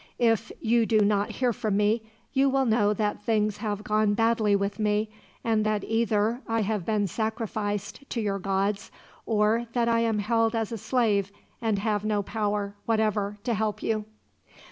If you do not hear from me, you will know that things have gone badly with me, and that either I have been sacrificed to your gods, or that I am held as a slave and have no power, whatever, to help you."